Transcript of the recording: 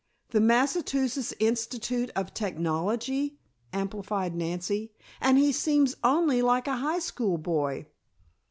"The Massachusetts Institute of Technology," amplified Nancy, "and he seems only like a high school boy."